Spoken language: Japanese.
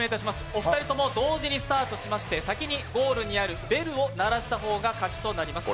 お二人とも同時にスタートしまして、先にゴールにあるベルを鳴らした方が勝ちとなります。